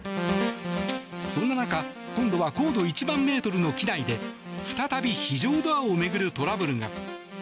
そんな中今度は高度１万ｍの機内で再び非常ドアを巡るトラブルが。